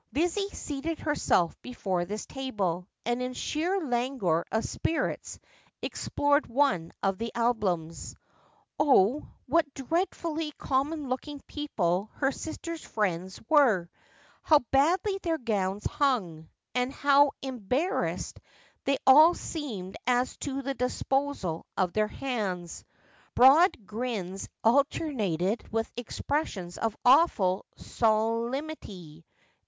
Lizzie seated herself before this table, and in sheer languor of spirits explored one of the albums. Oh, what dreadfully common looking people her sister's friends were ! how badly their gowns hung ! and how em barrassed they all seemed as to the disposal of their hands ! Broad grins alternated with expressions of awful solemnity.